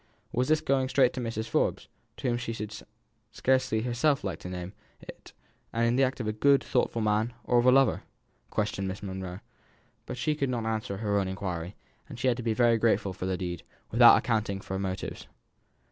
Was this going straight to Mrs. Forbes, to whom she should herself scarcely have liked to name it, the act of a good, thoughtful man, or of a lover? questioned Miss Monro; but she could not answer her own inquiry, and had to be very grateful for the deed, without accounting for the motives.